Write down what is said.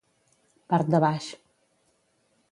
Part de baix.